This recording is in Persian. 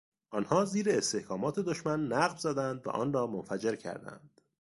آنها زیر استحکامات دشمن نقب زدند و آن را منفجر کردند.